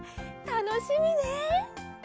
たのしみね。